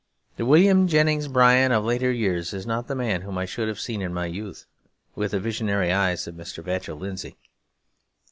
The William Jennings Bryan of later years is not the man whom I should have seen in my youth, with the visionary eyes of Mr. Vachell Lindsay.